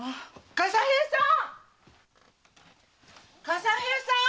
笠平さん！